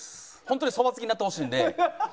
ホントにそば好きになってほしいんで。